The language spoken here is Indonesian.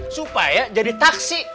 supaya jadi taksi